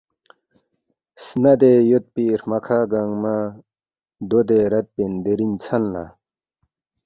سندے یودپی ہرمکھا گنگمہ دودے ردپن دیرینگ ژھن لا